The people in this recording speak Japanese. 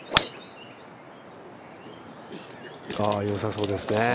よさそうですね。